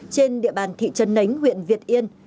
trên địa bàn thị trân nánh huyện việt yên